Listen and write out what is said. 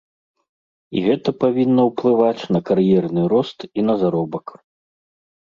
І гэта павінна ўплываць на кар'ерны рост і на заробак.